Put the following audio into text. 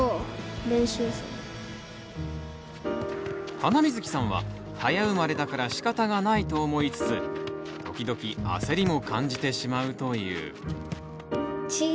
ハナミズキさんは早生まれだからしかたがないと思いつつ時々焦りも感じてしまうという。